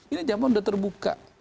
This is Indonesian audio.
ini zaman udah terbuka